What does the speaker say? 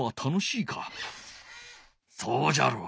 そうじゃろう。